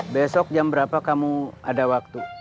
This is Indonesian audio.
besok jam berapa kamu ada waktu